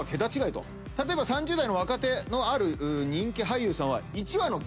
例えば３０代の若手のある人気俳優さんは。